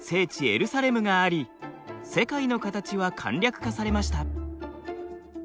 エルサレムがあり世界の形は簡略化されました。